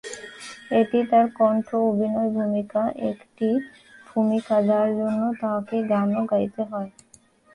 এটি তার কণ্ঠ অভিনয় ভূমিকা, একটি ভূমিকা যার জন্য তাকে গানও গাইতে হয়।